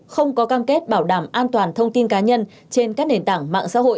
không có cam kết bảo đảm an toàn thông tin cá nhân trên các nền tảng mạng xã hội